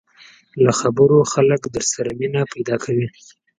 له خبرو خلک در سره مینه پیدا کوي